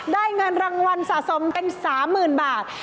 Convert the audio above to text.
ได้เงินรางวัลสะสมเป็น๓๐๐๐บาท